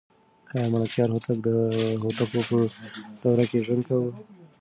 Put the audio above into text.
آیا ملکیار هوتک د هوتکو په دوره کې ژوند کاوه؟